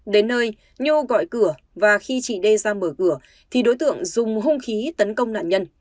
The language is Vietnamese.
đến nơi nhu gọi cửa và khi chị d ra mở cửa